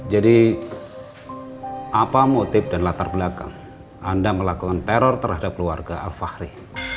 jadi apa motif dan latar belakang anda melakukan teror terhadap keluarga al fahri